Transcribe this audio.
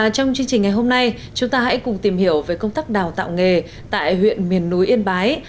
chúng ta hãy cùng tìm hiểu về công tác đào tạo nghề tại huyện miền núi yên bái